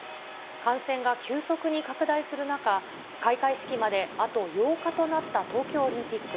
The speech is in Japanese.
感染が急速に拡大する中、開会式まであと８日となった東京オリンピック。